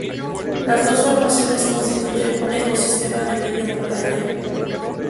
Las dos formaciones constituyen un ecosistema de media montaña.